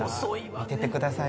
見てください。